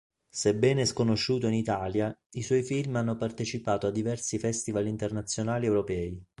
Sebbene sconosciuto in Italia i suoi film hanno partecipato a diversi festival internazionali europei.